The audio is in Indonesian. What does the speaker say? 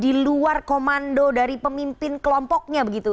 di luar komando dari pemimpin kelompoknya begitu